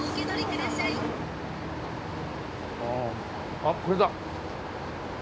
あこれだ。